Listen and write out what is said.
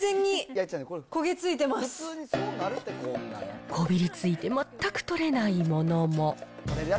もう、こびりついて全く取れないものも。